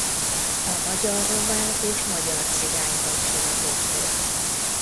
A magyar–román és magyar–cigány kapcsolatokról.